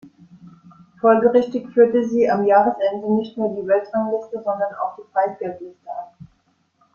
Folgerichtig führte sie am Jahresende nicht nur die Weltrangliste, sondern auch die Preisgeld-Liste an.